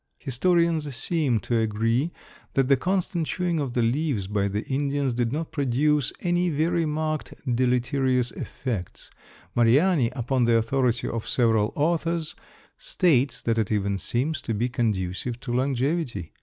Historians seem to agree that the constant chewing of the leaves by the Indians did not produce any very marked deleterious effects. Mariani, upon the authority of several authors, states that it even seems to be conducive to longevity.